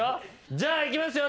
じゃあいきますよ